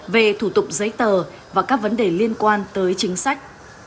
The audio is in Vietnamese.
về thủ tục giấy tờ và các vấn đề liên quan tới chính sách